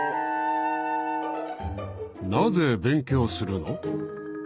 なぜ勉強するの？